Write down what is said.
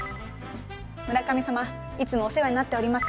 村上様いつもお世話になっております。